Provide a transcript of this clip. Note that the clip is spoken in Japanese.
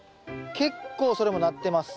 結構それもなってます。